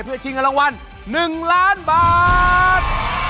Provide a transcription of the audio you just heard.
เพื่อชิงเงินรางวัล๑ล้านบาท